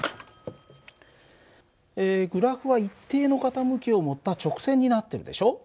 グラフは一定の傾きを持った直線になってるでしょ。